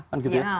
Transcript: kan gitu ya